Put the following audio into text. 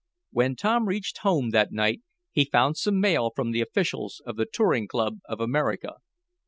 When Tom reached home that night he found some mail from the officials of the Touring Club of America.